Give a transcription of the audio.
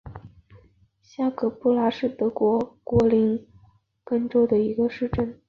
下格布拉是德国图林根州的一个市镇。